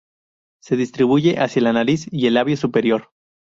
Se distribuye hacia la nariz y el "labio superior".